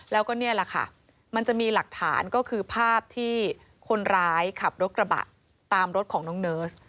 แล้วก็นี่แหละค่ะมันจะมีหลักฐานก็คือภาพที่คนร้ายขับรถกระบะตามรถของน้องเนิร์ส